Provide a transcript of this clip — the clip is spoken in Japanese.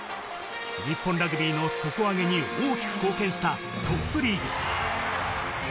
日本ラグビーの底上げに大きく貢献したトップリーグ。